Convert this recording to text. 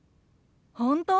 本当？